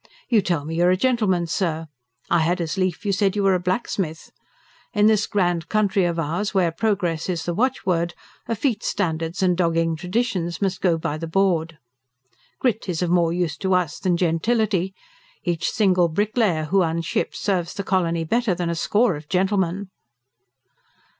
You tell me you are a gentleman. Sir! I had as lief you said you were a blacksmith. In this grand country of ours, where progress is the watchword, effete standards and dogging traditions must go by the board. Grit is of more use to us than gentility. Each single bricklayer who unships serves the colony better than a score of gentlemen."